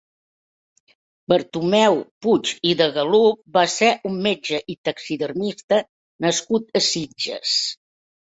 Bartomeu Puig i de Galup va ser un metge i taxidermista nascut a Sitges.